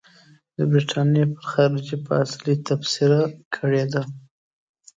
د برټانیې پر خارجي پالیسۍ تبصره کړې ده.